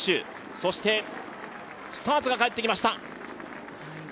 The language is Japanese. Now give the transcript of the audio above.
そしてスターツが帰ってきました。